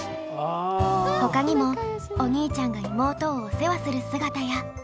他にもお兄ちゃんが妹をお世話する姿や。